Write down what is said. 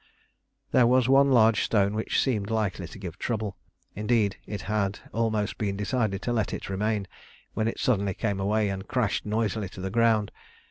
There was one large stone which seemed likely to give trouble; indeed it had almost been decided to let it remain, when it suddenly came away and crashed noisily to the ground.